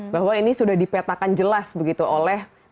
bahwa ini sudah dipetakan jelas begitu oleh